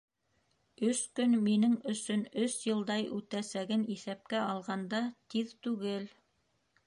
Өс көн минең өсөн өс йылдай үтәсәген иҫәпкә алғанда, тиҙ түгел.